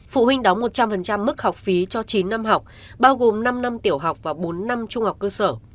phụ huynh đóng một trăm linh mức học phí cho chín năm học bao gồm năm năm tiểu học và bốn năm trung học cơ sở